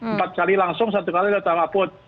empat kali langsung satu kali sudah tak mabut